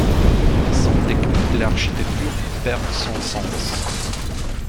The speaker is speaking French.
Mais sans technique, l’architecture perd son sens.